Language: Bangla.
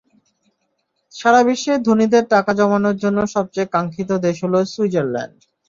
সারা বিশ্বের ধনীদের টাকা জমানোর জন্য সবচেয়ে কাঙ্ক্ষিত দেশ হলো সুইজারল্যান্ড।